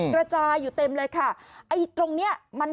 กระจายอยู่เต็มเลยค่ะตรงนี้มันมีหน้าที่คือ